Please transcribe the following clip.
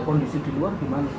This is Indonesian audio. kondisi di luar gimana